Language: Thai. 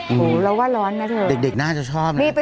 หูเราว่าร้อนนะเถอะเด็กน่าจะชอบนะ